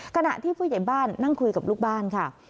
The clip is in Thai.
ขณะที่ผู้ใหญ่บ้านนั่งคุยกับลูกบ้านค่ะ